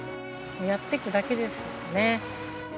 やっていくだけですね。